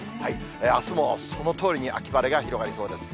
あすもそのとおりに秋晴れが広がりそうです。